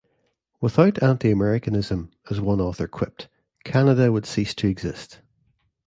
Without anti-Americanism-as one author has quipped-Canada would cease to exist.